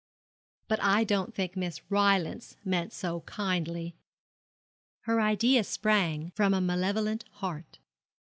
'But I don't think Miss Rylance meant so kindly. Her idea sprang from a malevolent heart.